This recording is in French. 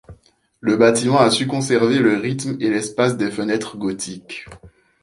Le bâtiment a su conserver le rythme et l'espace des fenêtres gothiques.